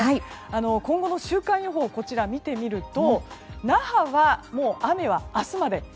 今後の週間予報を見てみると那覇は雨は明日まで。